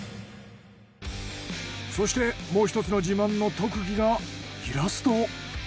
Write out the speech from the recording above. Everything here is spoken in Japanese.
そしてもう１つの自慢の特技がイラスト。